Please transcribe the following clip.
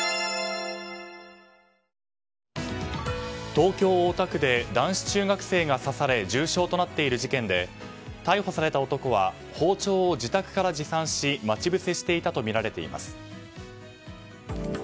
東京・大田区で男子中学生が刺され重傷となっている事件で逮捕された男は包丁を自宅から持参し待ち伏せしていたとみられています。